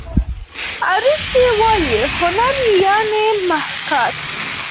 ارستو وايي هنر یعني محاکات.